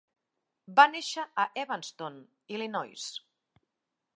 Va néixer a Evanston, Illinois.